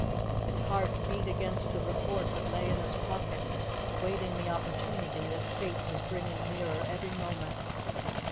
His heart beat against the report that lay in his pocket awaiting the opportunity that Fate was bringing nearer every moment.